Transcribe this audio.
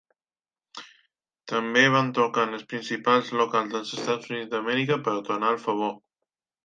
També van tocar en els principals locals dels Estats Units d'Amèrica per a tornar el favor.